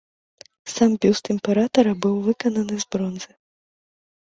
Сам бюст імператара быў выкананы з бронзы.